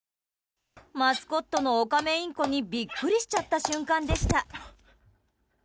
マスコットのオカメインコにビックリしちゃった瞬間でした。